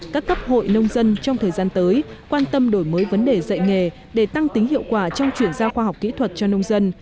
các cấp hội nông dân trong thời gian tới quan tâm đổi mới vấn đề dạy nghề để tăng tính hiệu quả trong chuyển giao khoa học kỹ thuật cho nông dân